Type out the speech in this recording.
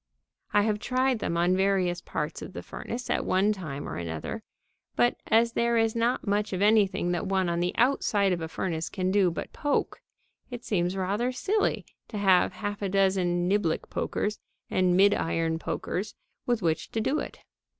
I have tried them on various parts of the furnace at one time or another, but, as there is not much of anything that one on the outside of a furnace can do but poke, it seems rather silly to have half a dozen niblick pokers and midiron pokers with which to do it.